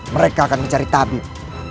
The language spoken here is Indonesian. mereka akan mencari tabib